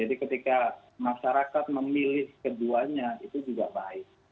jadi ketika masyarakat memilih keduanya itu juga baik